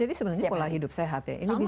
jadi sebenarnya pola hidup sehat ya